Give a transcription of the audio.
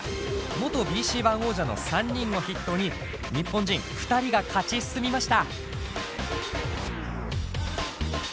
元ＢＣＯｎｅ王者の３人を筆頭に日本人２人が勝ち進みました。